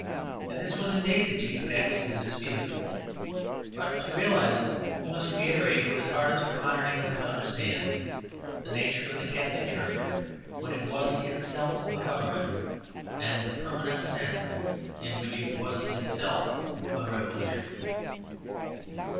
And this was indeed the chief text of the dispute; but to realise it we must reiterate what is hardest for modern England to understand the nature of the Catholic Church when it was itself a government, and the permanent sense in which it was itself a revolution.